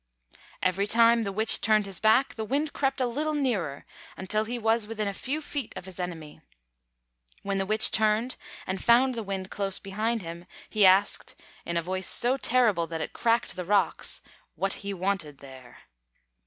Every time the Witch turned his back, the Wind crept a little nearer, until he was within a few feet of his enemy. When the Witch turned and found the Wind close behind him, he asked, in a voice so terrible that it cracked the rocks, what he wanted there.